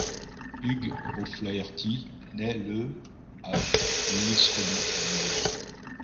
Hugh O’Flaherty nait le à Lisrobin en Irlande.